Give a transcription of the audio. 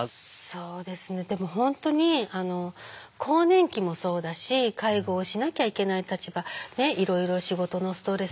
そうですねでも本当に更年期もそうだし介護をしなきゃいけない立場いろいろ仕事のストレス